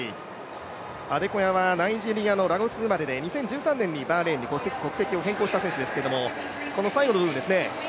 アデコヤはナイジェリアの生まれで、２０１３年にバーレーンに国籍を変更した選手ですけどこの最後の部分ですね。